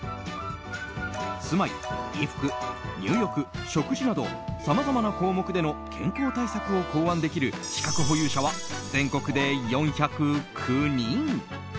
住まい、衣服、入浴、食事などさまざまな項目での健康対策を考案できる資格保有者は全国で４０９人。